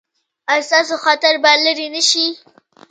ایا ستاسو خطر به لرې نه شي؟